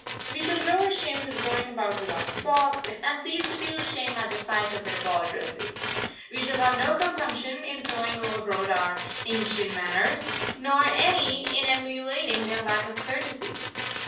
We shall grow ashamed of going about without socks, and cease to feel shame at the sight of their ball dresses. We shall have no compunction in throwing overboard our ancient manners, nor any in emulating their lack of courtesy.